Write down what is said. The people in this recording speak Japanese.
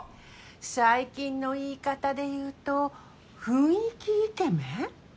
・最近の言い方で言うと雰囲気イケメン？